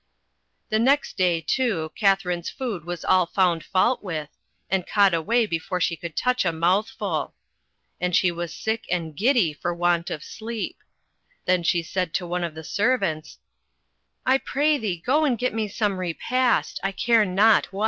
The next day, too, Katharine's food was all found fault with, \ THE TAMING OF THE SHREW. 89 and caught away before she could touch a mouthful, and she was sick and giddy for want of sleep. Then she said to one of the ser vants — "1 pray thee go and get me some repast. I care not what."